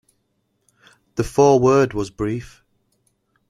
The foreword was brief.